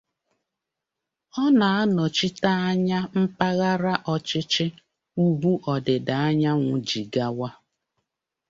Ọ na-anọchite anya Mpaghara ọchịchị Ugwu odida anyanwu Jigawa.